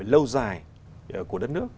lâu dài của đất nước